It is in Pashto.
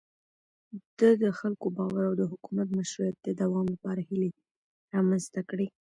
ده د خلکو باور او د حکومت مشروعيت د دوام لپاره هيلې رامنځته کړې.